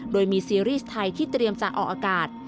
โดยมีซีรีส์ไทยที่เตรียมจะออกอากาศ